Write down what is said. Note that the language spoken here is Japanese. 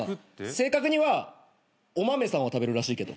正確にはお豆さんは食べるらしいけど。